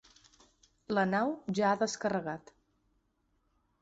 La nau ja ha descarregat.